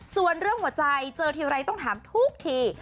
ส่วนเรื่องหัวใจเจอทีไรต้องถามทุกที